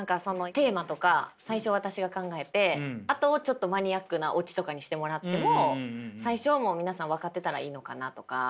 テーマとか最初私が考えてあとをちょっとマニアックなオチとかにしてもらっても最初はもう皆さん分かってたらいいのかなとか。